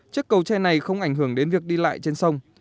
chiếc cầu tre này không ảnh hưởng đến việc đi lại trên sông